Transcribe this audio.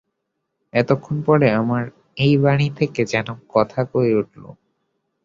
এতক্ষণ পরে আমার এই বাড়ি যেন কথা কয়ে উঠল।